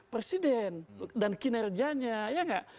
presiden dan kinerjanya ya nggak